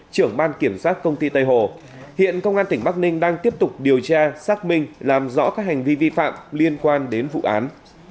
trưởng ban kiểm soát công ty tây hồ hiện công an tỉnh bắc ninh đang tiếp tục điều tra xác minh làm rõ các hành vi vi phạm liên quan đến vụ án